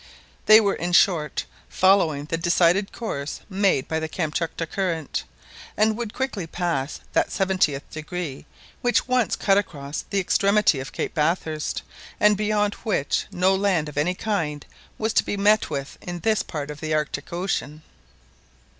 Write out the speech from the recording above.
They were, in short, following the decided course made by the Kamtchatka Current, and would quickly pass that seventieth degree which once cut across the extremity of Cape Bathurst, and beyond which no land of any kind was to be met with in this part of the Arctic Ocean.